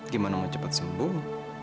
gimana mau cepat sembuh